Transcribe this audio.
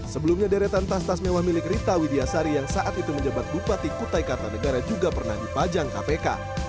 sebelumnya deretan tas tas mewah milik rita widyasari yang saat itu menjabat bupati kutai kartanegara juga pernah dipajang kpk